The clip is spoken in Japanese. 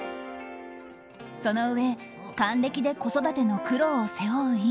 そのうえ還暦で子育ての苦労を背負う